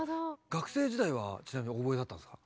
学生時代はちなみにオーボエだったんですか？